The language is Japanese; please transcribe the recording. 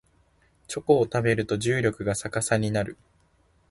チョコを食べると重力が逆さになる